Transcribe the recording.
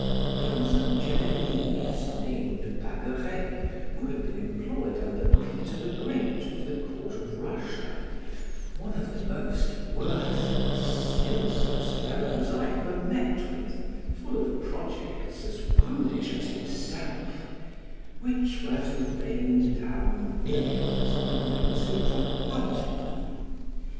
There was a Genevese, named Bagueret, who had been employed under Peter the Great, of the court of Russia, one of the most worthless, senseless fellows I ever met with; full of projects as foolish as himself, which were to rain down millions on those who took part in them.